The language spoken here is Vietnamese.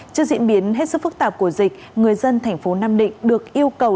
trước diễn biến hết sức phức tạp của dịch người dân thành phố nam định được yêu cầu